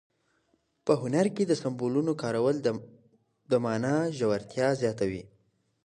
په هنر کې د سمبولونو کارول د مانا ژورتیا زیاتوي.